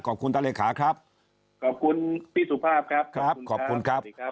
ขอบคุณท่านแลคาครับขอบคุณพี่สุภาพครับสวัสดีครับครับขอบคุณครับ